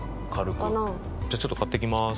じゃあちょっと買ってきます。